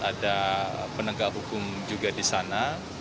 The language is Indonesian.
ada penegak hukum juga di sana